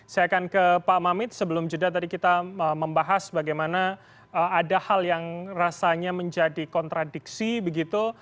saya akan ke pak mamit sebelum jeda tadi kita membahas bagaimana ada hal yang rasanya menjadi kontradiksi begitu